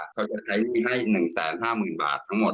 เขาจะใช้อย่างนี้ให้๑๕๐๐๐๐บาททั้งหมด